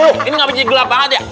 aduh ini gak bisa jadi gelap banget ya